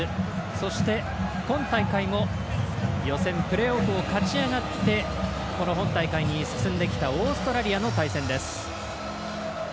そして、今大会も予選プレーオフを勝ち上がってこの本大会に進んできたオーストラリアの対戦です。